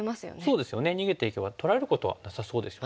そうですよね逃げていけば取られることはなさそうですよね。